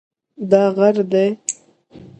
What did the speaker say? دا غر دی